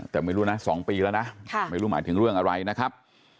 แต่ไม่รู้นะ๒ปีแล้วนะไม่รู้หมายถึงเรื่องอะไรนะครับ